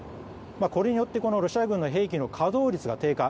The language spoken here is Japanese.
これによってロシア軍の兵器の稼働率が低下。